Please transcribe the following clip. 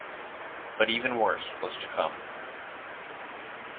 But even worse was to come.